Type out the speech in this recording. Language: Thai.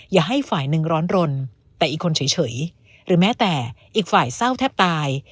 อย่าให้ฝ่ายหนึ่งร้อนรนแต่อีกคนเฉยหรือแม้แต่อีกฝ่ายเศร้าแทบตาย